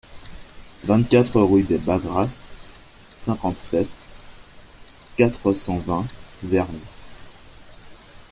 vingt-quatre rue des Bagrasses, cinquante-sept, quatre cent vingt, Verny